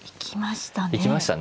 行きましたね。